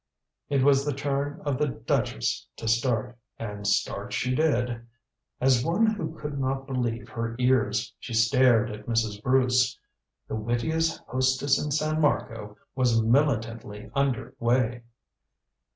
It was the turn of the duchess to start, and start she did. As one who could not believe her ears, she stared at Mrs. Bruce. The "wittiest hostess in San Marco" was militantly under way.